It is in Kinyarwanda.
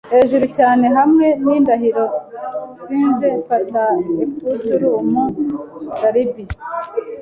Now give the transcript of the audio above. hejuru cyane, hamwe n'indahiro nsize: "Fata aft rum, Darby!"